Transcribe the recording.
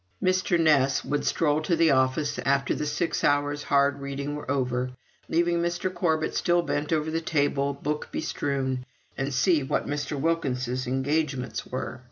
Mr. Ness would stroll to the office after the six hours' hard reading were over leaving Mr. Corbet still bent over the table, book bestrewn and see what Mr. Wilkins's engagements were.